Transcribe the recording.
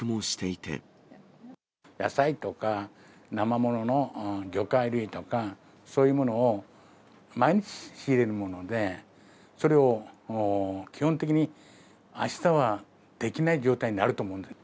野菜とか、なま物の魚介類とか、そういうものを毎日仕入れるもので、それを基本的に、あしたはできない状態になると思うんです。